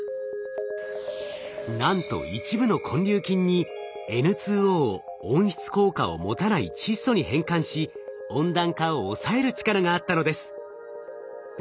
なんと一部の根粒菌にＮＯを温室効果を持たない窒素に変換し温暖化を抑える力があったのです。